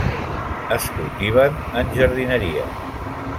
Es cultiven en jardineria.